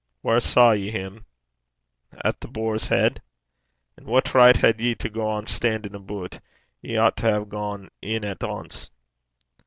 'Whaur saw ye him?' 'At The Boar's Heid.' 'And what richt had ye to gang stan'in' aboot? Ye oucht to ha' gane in at ance.'